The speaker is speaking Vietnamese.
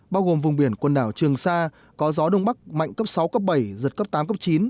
bao gồm vùng biển quần đảo trường sa có gió đông bắc mạnh cấp sáu cấp bảy giật cấp tám cấp chín